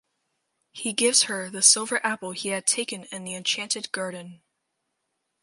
He gives her the silver apple he had taken in the enchanted garden.